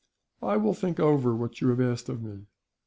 I will think over what you have asked of me.